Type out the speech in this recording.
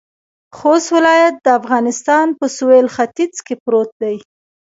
خوست ولایت د افغانستان په سویل ختيځ کې پروت دی.